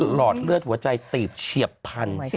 หลอดเลือดหัวใจตีบเฉียบพันธุ์